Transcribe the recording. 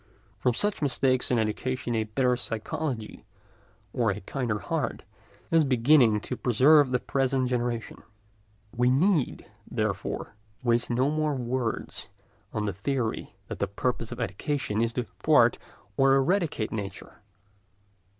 From such mistakes in education a better psychology or a kinder heart is beginning to preserve the present generation; we need, therefore, waste no more words on the theory that the purpose of education is to thwart or eradicate nature.